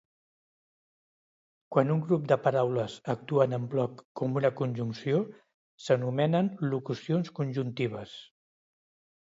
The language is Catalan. Quan un grup de paraules actuen en bloc com una conjunció s'anomenen locucions conjuntives.